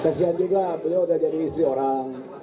kasian juga beliau udah jadi istri orang